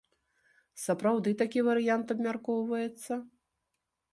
Сапраўды такі варыянт абмяркоўваецца?